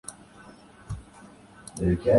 مذہبی لوگوں کی تفہیم اخلاقیات میں بھی اختلاف ہے۔